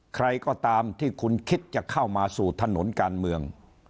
ใครก็ตามที่คุณคิดจะเข้ามาสู่ถนนการเมือง